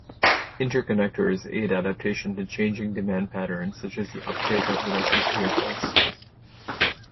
Interconnectors aid adaptation to changing demand patterns such as the uptake of electric vehicles.